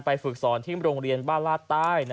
ฝึกสอนที่โรงเรียนบ้านลาดใต้